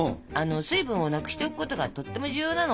水分をなくしておくことがとっても重要なの。